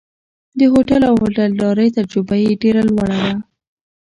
د هوټل او هوټلدارۍ تجربه یې ډېره لوړه وه.